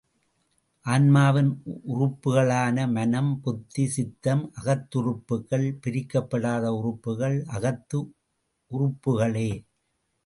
ஆன்மாவின் உறுப்புக்களான மனம், புத்தி, சித்தம், அகத்துறுப்புக்கள், பிரிக்கப்படாத உறுப்புகள் அகத்து உறுப்புக்களே.